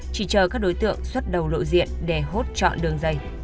chỉ chờ các đối tượng xuất đầu lộ diện để hốt chọn đường dây